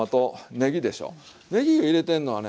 ねぎ入れてんのはね